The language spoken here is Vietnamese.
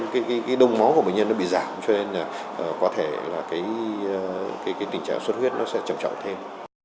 cái đông máu của bệnh nhân nó bị giảm cho nên là có thể là cái tình trạng xuất huyết nó sẽ trầm trọng thêm